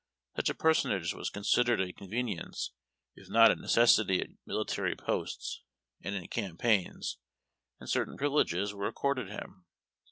Such a personage was considered a convenience if not a necessit}' at military posts and in cam paigns, and certain privileges were accorded him.